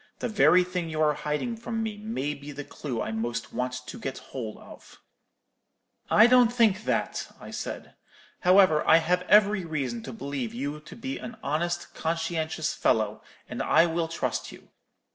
The very thing you are hiding from me may be the clue I most want to get hold of.' "'I don't think that,' I said. 'However, I have every reason to believe you to be an honest, conscientious fellow, and I will trust you.